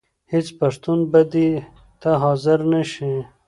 هېڅ پښتون به دې ته حاضر نه شي.